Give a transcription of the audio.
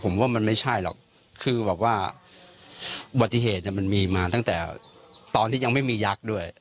ผมว่ามันไม่ใช่หรอกคือแบบว่าอุบัติเหตุมันมีมาตั้งแต่ตอนที่ยังไม่มียักษ์ด้วย